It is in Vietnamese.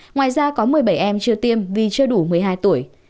ngoài ra có một mươi bảy em chưa tiêm vì chưa đủ một mươi hai tuổi